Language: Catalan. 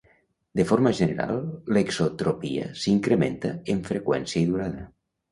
De forma general, l'exotropia s'incrementa en freqüència i durada.